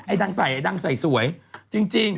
ดังใส่ไอดังใส่สวยจริง